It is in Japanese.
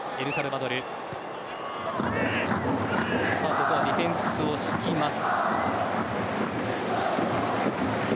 ここはディフェンスを敷きます。